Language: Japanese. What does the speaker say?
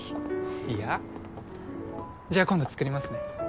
いやじゃあ今度作りますね